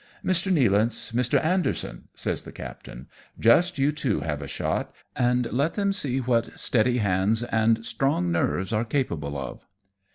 " Mr. Nealance, Mr. Anderson," says the captain, " just you two have a shot, and let them see what steady hands and strong nerves are capable of."